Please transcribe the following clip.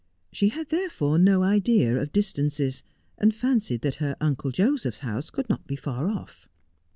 She had therefore no idea of distances, and fancied that her Uncle Joseph's house could not be far oif.